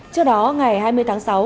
trước đó ngày hai mươi tháng sáu